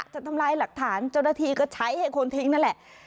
ทำลายหลักฐานเจ้าหน้าที่ก็ใช้ให้คนทิ้งนั่นแหละ